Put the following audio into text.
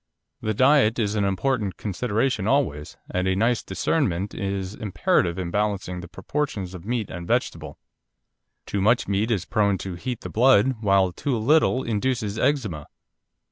The diet is an important consideration always, and a nice discernment is imperative in balancing the proportions of meat and vegetable. Too much meat is prone to heat the blood, while too little induces eczema.